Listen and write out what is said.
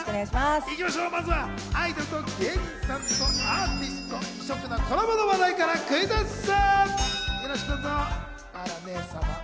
まずはアイドルと芸人とアーティスト、異色なコラボの話題からクイズッス。